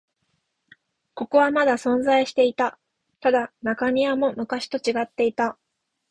ここはまだ存在していた。ただ、中庭も昔と違っていた。